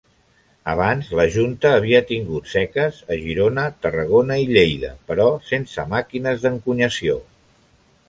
Abans la Junta havia tingut seques a Girona, Tarragona i Lleida, però sense màquines d'encunyació.